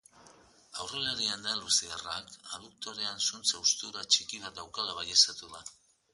Aurrelari andaluziarrak aduktorean zuntz haustura txiki bat daukala baieztatu da.